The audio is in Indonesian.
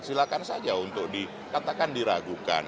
silakan saja untuk dikatakan diragukan